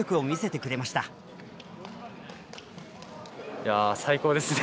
いやあ最高ですね。